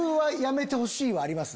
はあります？